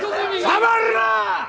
触るな！